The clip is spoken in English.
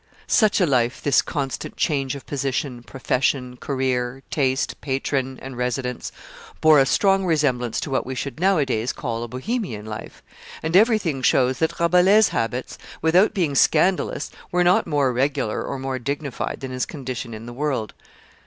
Such a life, this constant change of position, profession, career, taste, patron, and residence, bore a strong resemblance to what we should nowadays call a Bohemian life; and everything shows that Rabelais' habits, without being scandalous, were not more regular or more dignified than his condition in the world.